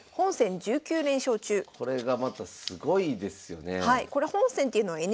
これがまたすごいですよねえ。